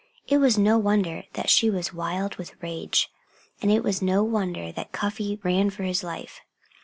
It was no wonder that she was wild with rage. And it was no wonder that Cuffy ran for his life.